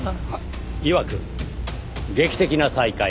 いわく劇的な再会。